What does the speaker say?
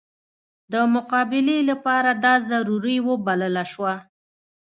د مقابلې لپاره دا ضروري وبلله شوه.